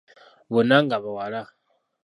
Bonna nga bawala.